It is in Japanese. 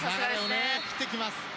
流れをね切ってきます。